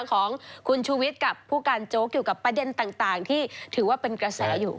ของคุณชูวิทย์กับผู้การโจ๊กเกี่ยวกับประเด็นต่างที่ถือว่าเป็นกระแสอยู่